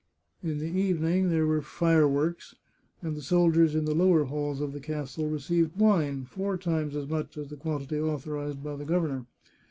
In the evening there were fire works, and the soldiers in the lower halls of the castle re ceived wine, four times as much as the quantity authorized by the governor.